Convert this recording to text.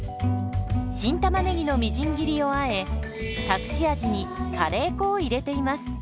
新たまねぎのみじん切りをあえ隠し味にカレー粉を入れています。